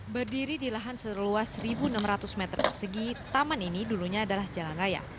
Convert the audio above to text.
berdiri di lahan seluas satu enam ratus meter persegi taman ini dulunya adalah jalan raya